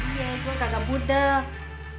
iya gue kakak budak